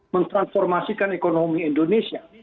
mentransformasikan ekonomi indonesia